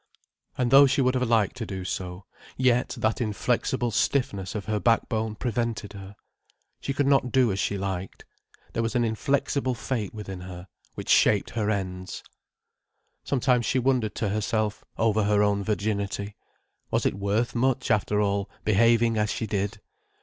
And though she would have like to do so, yet that inflexible stiffness of her backbone prevented her. She could not do as she liked. There was an inflexible fate within her, which shaped her ends. Sometimes she wondered to herself, over her own virginity. Was it worth much, after all, behaving as she did?